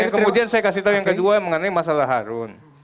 kemudian saya kasih tahu yang kedua mengenai masalah harun